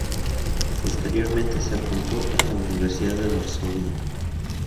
Posteriormente se apuntó en la Universidad de Varsovia.